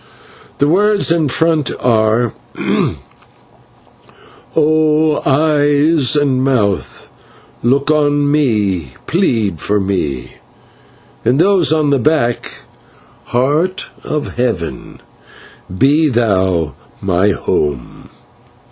The words in front are: 'O Eyes and Mouth, look on me, plead for me.' And those on the back: 'Heart of Heaven, be thou my home.'"